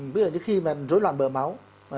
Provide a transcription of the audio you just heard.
ví dụ như khi rối loạn bờ máu